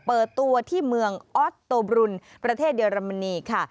เปิดตัวที่เมืองออสโตบรุนประเทศเยอรมนีค่ะ